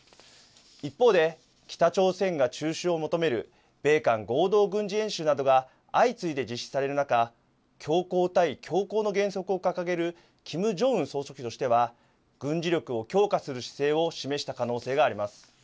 一方で北朝鮮が中止を求める米韓合同軍事演習などが相次いで実施される中、強硬対強硬の原則を掲げるキム・ジョンウン総書記としては軍事力を強化する姿勢を示した可能性があります。